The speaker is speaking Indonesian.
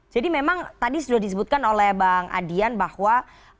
jadi memang tadi sudah disebutkan oleh bang adian bahwa